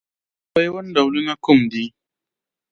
د پیوند ډولونه کوم دي؟